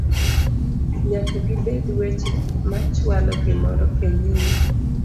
nyaka gibed weche machwalo gimoro e nyime